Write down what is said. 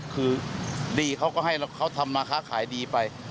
คือดีเขาก็ให้ต้องมาข้าวขายดีไป